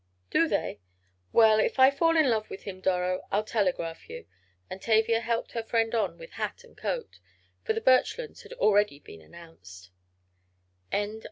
"Do they? Well, if I fall in love with him, Doro, I'll telegraph to you," and Tavia helped her friend on with hat and coat, for the Birchlands had already been announced.